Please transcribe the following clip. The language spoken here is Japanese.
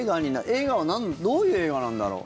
映画はどういう映画なんだろう？